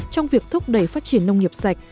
trong việc thúc đẩy phát triển nông nghiệp sạch